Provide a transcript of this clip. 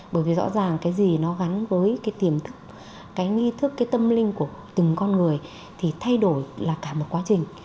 bởi vì rõ ràng cái gì nó gắn với cái tiềm thức cái nghi thức cái tâm linh của từng con người thì thay đổi là cả một quá trình